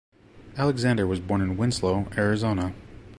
Alexander was born in Winslow, Arizona.